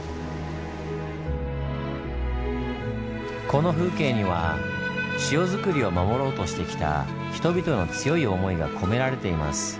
この風景には塩作りを守ろうとしてきた人々の強い思いが込められています。